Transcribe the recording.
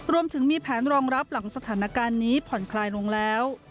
รวมถึงมีแผนรองรับหลังสถานการณ์นี้ผ่อนคลายลงแล้ว